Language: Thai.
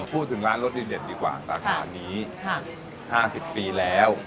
พูดถึงร้านรสเด็ดดีกว่าราคานี้๕๐ปีแล้ว